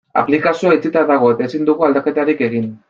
Aplikazioa itxita dago eta ezin dugu aldaketarik egin.